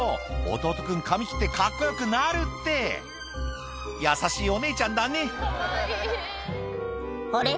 弟君髪切ってカッコ良くなるって優しいお姉ちゃんだねあれ？